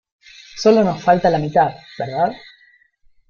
Sólo nos falta la mitad, ¿verdad?